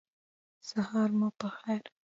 سهار مو پخیر